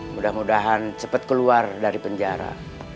mudah mudahan cepat keluar dari penjara